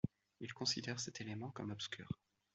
Il considère cet élément comme obscur.